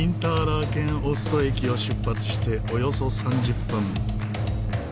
ラーケン・オスト駅を出発しておよそ３０分。